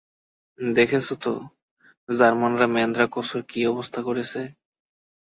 দেখেছ তো জার্মানরা ম্যান্দ্রাকোসের কী অবস্থা করেছে।